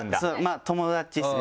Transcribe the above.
友達ですね